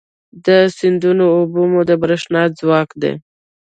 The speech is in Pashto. د سیندونو اوبه مو د برېښنا ځواک لري.